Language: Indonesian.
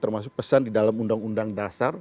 termasuk pesan di dalam undang undang dasar